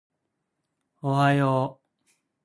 おはよう、いい天気だね